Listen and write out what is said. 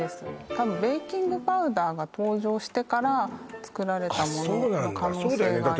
多分ベーキングパウダーが登場してから作られたものの可能性があります